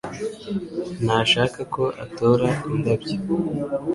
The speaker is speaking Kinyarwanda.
Ntashaka ko atora indabyo